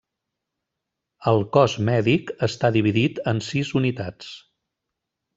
El Cos Mèdic està dividit en sis unitats.